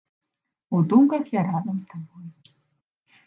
У думках я разам з табой.